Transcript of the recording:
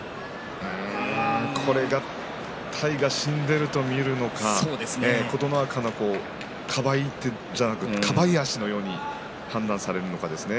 体が死んでいると見るのか琴ノ若のかばい足のように判断されるのかですね。